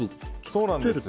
そうなんですよ。